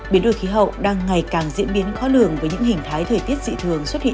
biến đổi khí hậu đang ngày càng diễn biến khó lường với những hình thái thời tiết dị thường